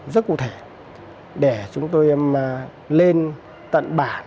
rất cụ thể để chúng tôi lên tận bản